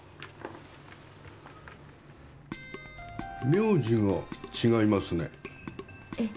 名字が違いますねええ